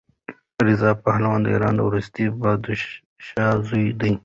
رضا پهلوي د ایران د وروستي پادشاه زوی دی.